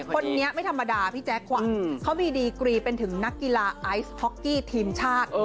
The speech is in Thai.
คนนี้ไม่ธรรมดาพี่แจ๊คขวัญเขามีดีกรีเป็นถึงนักกีฬาไอซ์ฮอกกี้ทีมชาติ